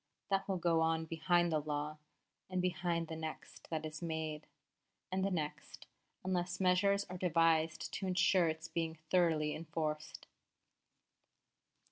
That will go on behind the law, and behind the next that is made, and the next, unless measures are devised to ensure its being thoroughly enforced.